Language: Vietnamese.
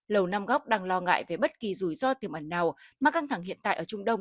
lầu nam góc đang lo ngại về bất kỳ rủi ro tiềm ẩn nào mà căng thẳng hiện tại ở trung đông